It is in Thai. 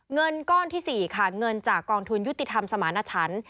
เงินก้อนที่๔ค่ะเงินจากกองทุนยุติธรรมสมาณชัน